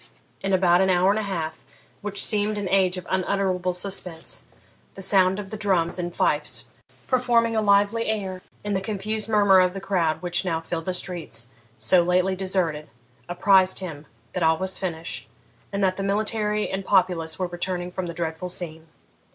In about an hour and a half, which seemed an age of unutterable suspense, the sound of the drums and fifes performing a lively air, and the confused murmur of the crowd which now filled the streets, so lately deserted, apprised him that all was finished, and that the military and populace were returning from the dreadful scene.